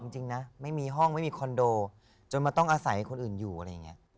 จริงนะไม่มีห้องไม่มีคอนโดจนมาต้องอาศัยคนอื่นอยู่อะไรอย่างนี้